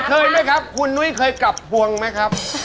เคยไหมครับคุณนุ้ยเคยกลับพวงไหมครับ